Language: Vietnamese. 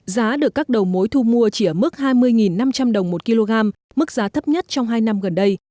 giá được các đầu mối thu mua chỉ ở mức hai mươi năm trăm linh đồng một kg mức giá thấp nhất trong hai năm gần đây